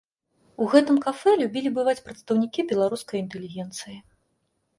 У гэтым кафэ любілі бываць прадстаўнікі беларускай інтэлігенцыі.